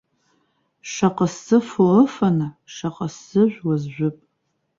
Шаҟа сзыфо ыфаны, шаҟа сзыжәуа зжәып.